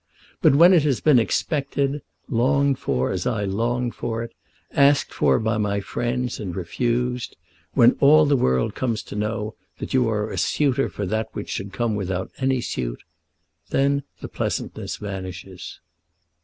But when it has been expected, longed for as I longed for it, asked for by my friends and refused, when all the world comes to know that you are a suitor for that which should come without any suit, then the pleasantness vanishes."